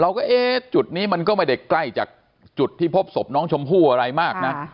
เอ๊ะจุดนี้มันก็ไม่ได้ใกล้จากจุดที่พบศพน้องชมพู่อะไรมากนะ